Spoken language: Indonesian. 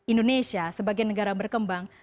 indonesia sebagai negara berkembang